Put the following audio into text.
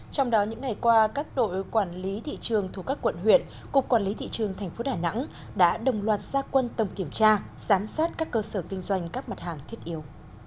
trong đó những ngày qua các đội quản lý thị trường thuộc các quận huyện cục quản lý thị trường tp đà nẵng đã đồng loạt gia quân tổng kiểm tra giám sát các cơ sở kinh doanh các mặt hàng thiết yếu